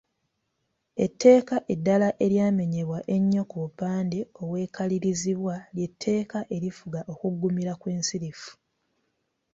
Etteeka eddala eryamenyebwa ennyo ku bupande obwekalirizibwa ly'etteeka erifuga okuggumira kw'ensirifu.